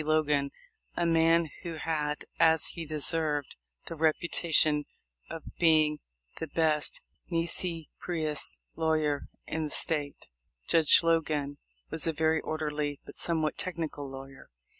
Logan, a man who had, as he deserved, the reputa tion of being the best nisi prins lawyer in the State. Judge Logan was a very orderly but somewhat technical lawyer.